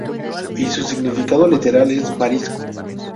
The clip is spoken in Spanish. Y su significado literal es "marisco".